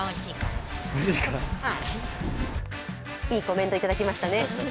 いいコメントいただきましたね。